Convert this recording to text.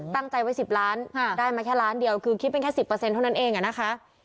ตั้งใจไว้๑๐ล้านได้มาแค่ล้านเดียวคือคิดเป็นแค่๑๐เท่านั้นเองอะนะคะ